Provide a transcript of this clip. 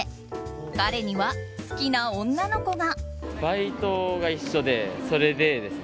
彼には好きな女の子が。